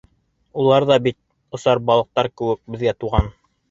Улар ҙа бит, осар балыҡтар кеүек, беҙгә туған.